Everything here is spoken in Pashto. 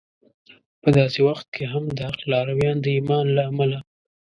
په داسې وخت کې هم د حق لارویان د ایمان له امله